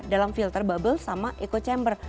dalam filter bubble sama echo chamber